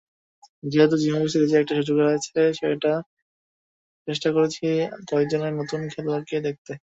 যেহেতু জিম্বাবুয়ে সিরিজে একটা সুযোগ এসেছে, চেষ্টা করছি কয়েকজন নতুন খেলোয়াড়কে দেখতে।